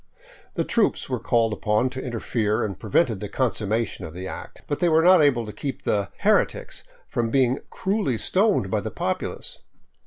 The troops were called upon to interfere and prevented the consummation of the act, but they were not able to keep the " heretics " from being cruelly stoned by the popu lace.